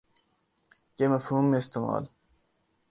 کے مفہوم میں استعمال